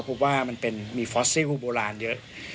พบว่ามันเป็นมีฟอสซิลโบราณเยอะ